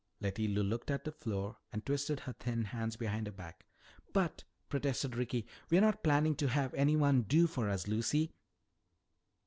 Letty Lou looked at the floor and twisted her thin hands behind her back. "But," protested Ricky, "we're not planning to have anyone do for us, Lucy."